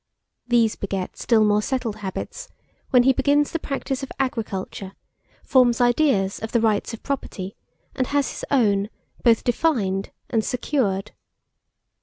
These beget still more settled habits, when he begins the practice of agriculture, forms ideas of the rights of property, and has his own, both defined and secured.